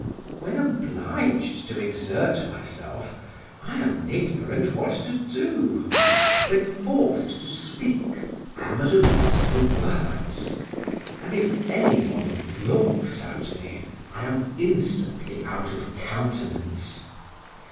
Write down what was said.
When obliged to exert myself, I am ignorant what to do! when forced to speak, I am at a loss for words; and if any one looks at me, I am instantly out of countenance.